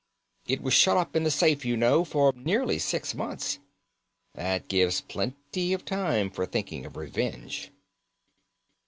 It was shut up in the safe, you know, for nearly six months. That gives plenty of time for thinking of revenge."